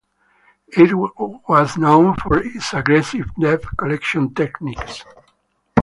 It was known for its aggressive debt collection techniques.